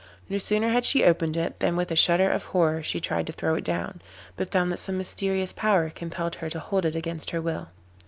No sooner had she opened it than with a shudder of horror she tried to throw it down, but found that some mysterious power compelled her to hold it against her will.